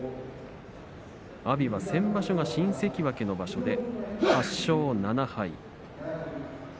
阿炎は先場所、新関脇の場所８勝７敗。